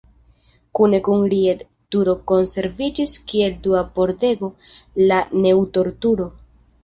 Kune kun Ried-turo konserviĝis kiel dua pordego la Neutor-turo.